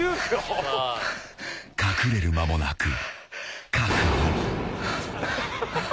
［隠れる間もなく確保］